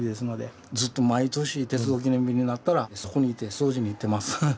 ずっと毎年鉄道記念日になったらそこに行って掃除に行ってます。